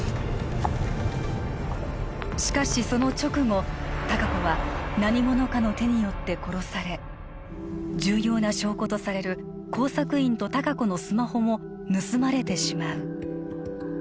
しかしその直後隆子は何者かの手によって殺され重要な証拠とされる工作員と隆子のスマホも盗まれてしまう